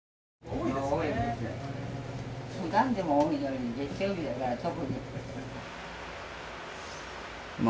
普段でも多いのに月曜日だから特に。